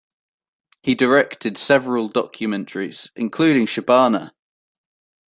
He directed several documentaries, including Shabana!